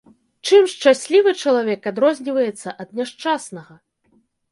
Чым шчаслівы чалавек адрозніваецца ад няшчаснага?